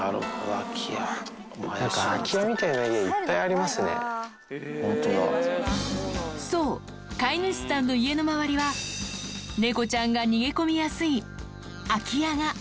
空き家みたいな家、いっぱいありそう、飼い主さんの家の周りは猫ちゃんが逃げ込みやすい空き家が。